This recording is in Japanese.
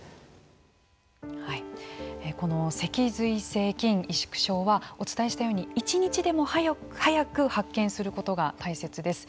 脊髄性筋萎縮症はお伝えしたように一日でも早く発見することが大切です。